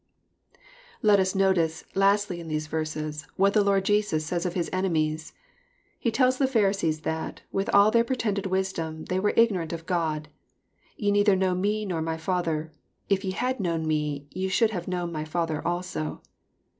Let us notice, lastly, in these verses, what the Lord Jesus says of His enemies. He tells the Fhariseen that, with all their pretended wisdom, they were ignorant of God. " Ye neither know Me nor my Father : if ye had known Me, ye should have known my Father also."